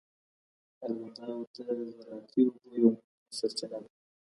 ارغنداب د زراعتي اوبو یو مهمه سرچینه ده.